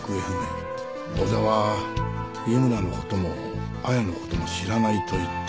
小田は井村の事も亜矢の事も知らないと言った。